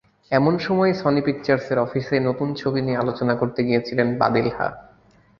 এমন সময়ই সনি পিকচার্সের অফিসে নতুন ছবি নিয়ে আলোচনা করতে গিয়েছিলেন পাদিলহা।